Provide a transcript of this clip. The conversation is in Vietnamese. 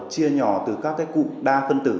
chia nhỏ từ các cụ đa phân tử thành các đơn phân tử nhỏ hơn